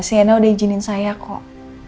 siana udah izinin saya kok